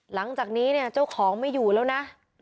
หลังจากนี้เนี่ยเจ้าของไม่อยู่แล้วนะ